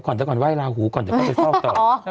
เดี๋ยวก่อนว่ายลาหูก่อนเดี๋ยวก็ไปเฝ้าต่อ